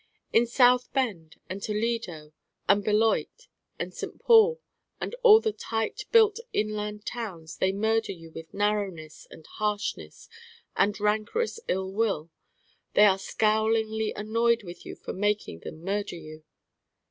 In South Bend and Toledo and Beloit and St. Paul and all the tight built inland towns they murder you with narrowness and harshness and rancorous ill will: they are scowlingly annoyed with you for making them murder you.